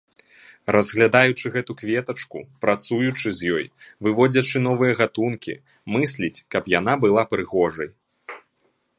Разглядаючы гэтую кветачку, працуючы з ёй, выводзячы новыя гатункі, мысліць, каб яна была прыгожай.